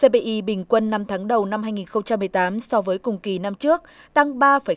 cpi bình quân năm tháng đầu năm hai nghìn một mươi tám so với cùng kỳ năm trước tăng ba tám